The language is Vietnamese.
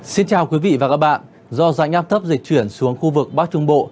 xin chào quý vị và các bạn do dãnh áp thấp dịch chuyển xuống khu vực bắc trung bộ